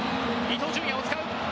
伊東純也を使う。